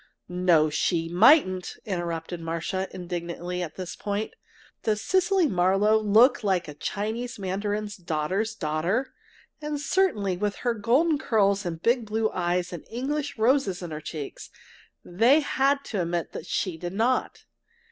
"No, she mightn't!" interrupted Marcia, indignantly, at this point. "Does Cecily Marlowe look like a Chinese mandarin's daughter's daughter?" And certainly, with her golden curls and big blue eyes and the English roses in her cheeks, they had to admit that she did not!